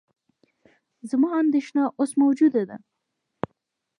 زما اندېښنه اوس موجوده ده.